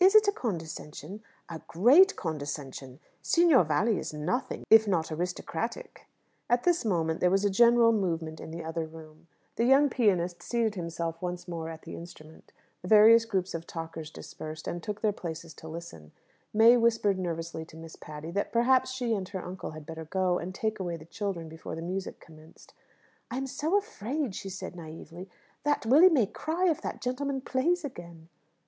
"Is it a condescension?" "A great condescension. Signor Valli is nothing, if not aristocratic." At this moment there was a general movement in the other room. The young pianist seated himself once more at the instrument. The various groups of talkers dispersed, and took their places to listen. May whispered nervously to Miss Patty, that perhaps she and her uncle had better go, and take away the children before the music commenced. "I am so afraid," she said naïvely, "that Willy may cry if that gentleman plays again."